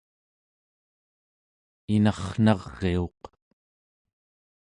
inarrnariuq